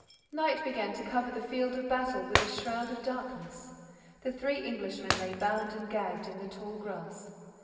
Night began to cover the field of battle with a shroud of darkness. The three Englishmen lay bound and gagged in the tall grass.